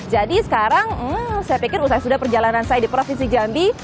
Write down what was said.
jadi sekarang saya pikir usai sudah perjalanan saya di provinsi jambi